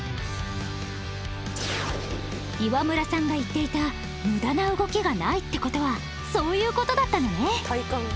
岩村さんが言っていた無駄な動きがないって事はそういう事だったのね